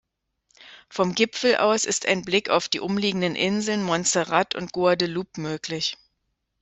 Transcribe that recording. Vom Gipfel aus ist ein Blick auf die umliegenden Inseln Montserrat und Guadeloupe möglich.